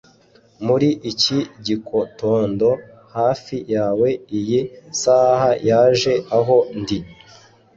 muri iki gitondo, hafi yawe, iyi saha yaje aho ndi